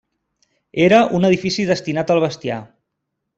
Era un edifici destinat al bestiar.